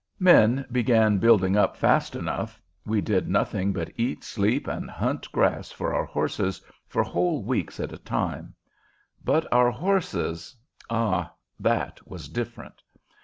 Men began "building up" fast enough; we did nothing but eat, sleep, and hunt grass for our horses for whole weeks at a time; but our horses, ah, that was different.